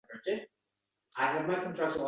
Yaxshi tomonga o’zgarayapsanmi deng.